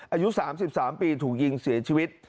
อายุ๓๓ปีถูกยิงเสียชีวิต